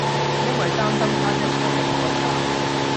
因為擔心她一個人在家